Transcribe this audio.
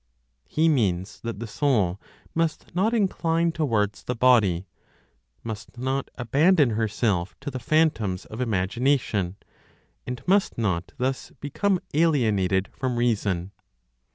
He means that the soul must not incline towards the body, must not abandon herself to the phantoms of imagination, and must not, thus, become alienated from reason.